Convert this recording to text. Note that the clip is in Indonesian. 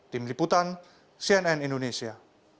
tim liputan cnn indonesia